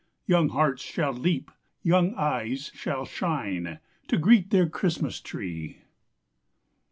Young hearts shall leap, young eyes shall shine To greet their Christmas tree!"